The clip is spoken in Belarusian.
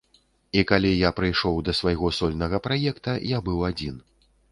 І калі я прыйшоў да свайго сольнага праекта, я быў адзін.